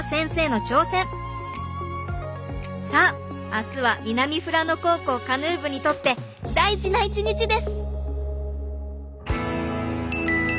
さあ明日は南富良野高校カヌー部にとって大事な一日です。